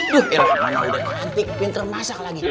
duh mano udah cantik pinter masak lagi